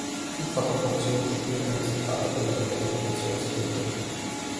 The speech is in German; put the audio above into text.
Einfache Funktionen spielen eine zentrale Rolle in der Integrationstheorie.